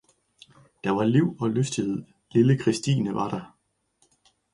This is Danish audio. der var liv og lystighed, lille Christine var der.